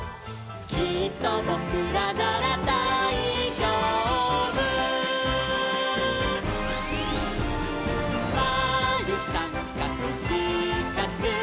「きっとぼくらならだいじょうぶ」「まるさんかくしかく」